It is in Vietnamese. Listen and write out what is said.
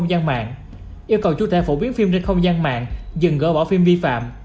ngăn chặn gỡ bỏ phim vi phạm